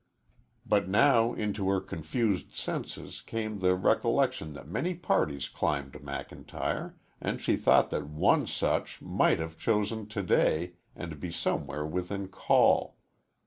But now into her confused senses came the recollection that many parties climbed McIntyre, and she thought that one such might have chosen to day and be somewhere within call.